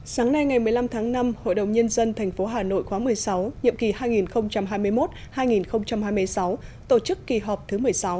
sáng nay ngày một mươi năm tháng năm hội đồng nhân dân tp hà nội khóa một mươi sáu nhiệm kỳ hai nghìn hai mươi một hai nghìn hai mươi sáu tổ chức kỳ họp thứ một mươi sáu